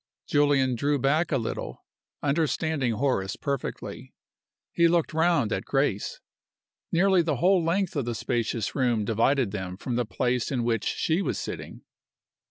Julian drew back a little, understanding Horace perfectly. He looked round at Grace. Nearly the whole length of the spacious room divided them from the place in which she was sitting.